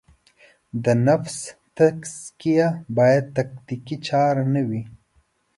د نفس تزکیه باید تکتیکي چاره نه وي.